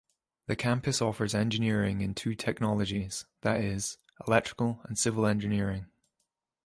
The campus offers engineering in two technologies, that is, Electrical and Civil Engineering.